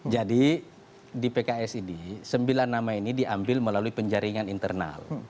jadi di pks ini sembilan nama ini diambil melalui penjaringan internal